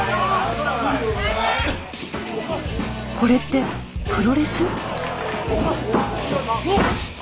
これってプロレス！？